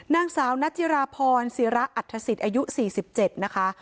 นางสาวนัจจิราพรซีระอัตภสิตอายุ๔๗นะคะ